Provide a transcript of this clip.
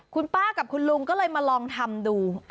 คุณป้ากับคุณลุงก็เลยมาลองทำดู